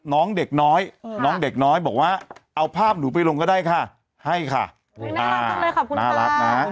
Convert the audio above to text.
น้องเด็กน้อยน้องเด็กน้อยบอกว่าเอาภาพหนูไปลงก็ได้ค่ะให้ค่ะคุณน่ารักนะ